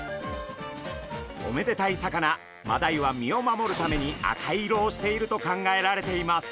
おめでたい魚マダイは身を守るために赤色をしていると考えられています。